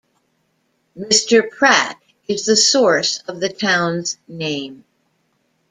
Mr. Pratt is the source of the town's name.